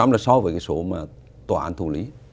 một mươi là so với cái số mà tòa án thủ lý